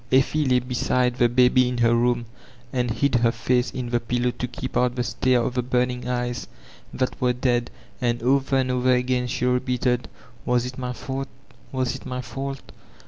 Eflfe by beside the baby in her room, and hid her face io the pillow to keep out the stare of the burning eyes that were dead; and over and over agab she repeated, *'Was it my fault, was it my fault?"